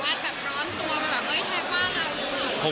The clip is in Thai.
มันแบบไม่ใช่บ้างนะรู้หรือเปล่า